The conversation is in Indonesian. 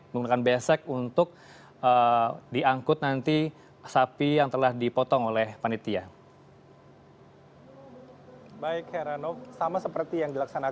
menggunakan besek untuk diangkut nanti sapi yang telah dipotong oleh panitia